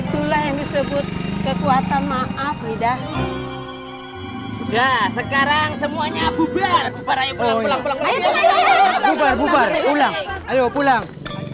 itulah yang disebut kekuatan maaf wida udah sekarang semuanya bubar bubar pulang pulang